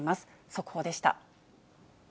速報でした。